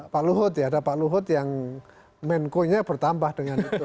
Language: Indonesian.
pak luhut ya ada pak luhut yang menko nya bertambah dengan itu